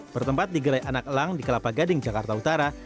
bertempat di gerai anak elang di kelapa gading jakarta utara